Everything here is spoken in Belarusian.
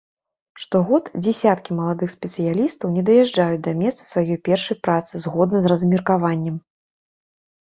Штогод дзесяткі маладых спецыялістаў не даязджаюць да месца сваёй першай працы згодна з размеркаваннем.